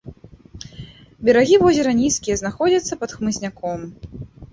Берагі возера нізкія, знаходзяцца пад хмызняком.